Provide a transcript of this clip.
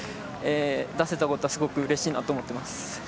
出せたことはすごくうれしいなと思っています。